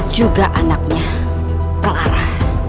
juga anaknya clara